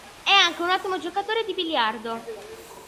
È anche un ottimo giocatore di Biliardo.